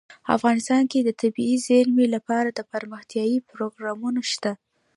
افغانستان کې د طبیعي زیرمې لپاره دپرمختیا پروګرامونه شته.